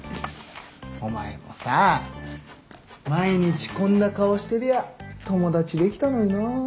お前もさ毎日こんな顔してりゃ友達できたのにな。